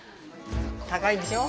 高いんでしょう？